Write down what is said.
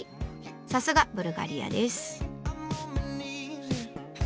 さすがブルガリアです。